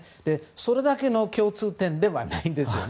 それだけの共通点ではないんですよね。